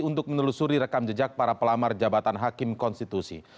untuk menelusuri rekam jejak para pelamar jabatan hakim konstitusi